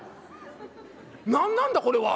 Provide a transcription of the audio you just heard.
何なんだこれは」。